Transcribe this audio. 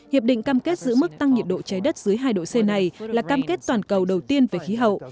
hiệp định cam kết giữ mức tăng nhiệt độ trái đất dưới hai độ c này là cam kết toàn cầu đầu tiên về khí hậu